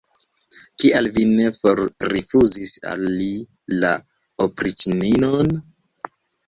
Kial vi ne forrifuzis al li la opriĉnino'n?